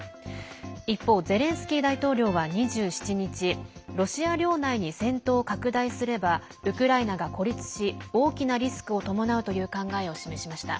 一方、ゼレンスキー大統領は２７日ロシア領内に戦闘を拡大すればウクライナが孤立し大きなリスクを伴うという考えを示しました。